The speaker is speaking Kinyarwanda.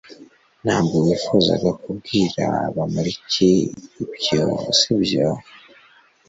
Ntabwo wifuzaga kubwira Bamoriki ibyo sibyo